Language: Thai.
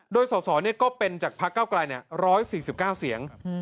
โดยส่อก็เป็นจากพักเก้าไกล๑๔๙เสียง